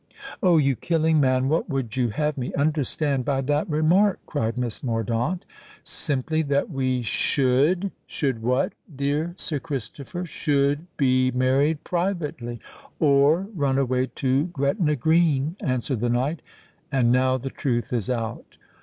"Oh! you killing man—what would you have me understand by that remark?" cried Miss Mordaunt. "Simply that we should——" "Should what, dear Sir Christopher?" "Should be married privately—or run away to Gretna Green," answered the knight. "And now the truth is out."